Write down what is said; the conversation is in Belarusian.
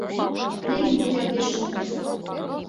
На ім будзе абвешчаны прысуд.